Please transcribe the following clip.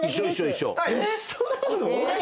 一緒なの？